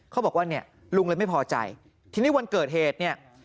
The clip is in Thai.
เขาบอกว่าลุงเลยไม่พอใจทีนี้วันเกิดเหตุ